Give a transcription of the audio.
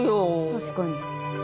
確かに。